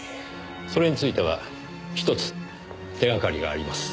それについてはひとつ手がかりがあります。